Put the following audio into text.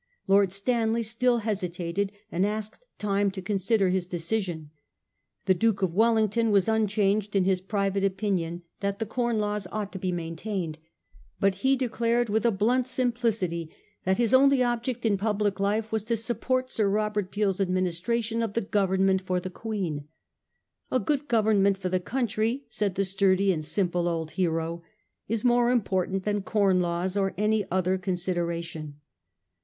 Lord Stanley still hesitated, and asked time to consider his decision. The Duke of Wellington was unchanged in his private opinion that the Com Laws ought to be maintained; but he declared with a blunt simplicity that his only object in public life was ' to support Sir Robert Peel's administration of the Government for the Queen.' 1 A good Govern ment for the country,' said the sturdy and simple old . hero, 'is more important than Corn Laws or any other consideration.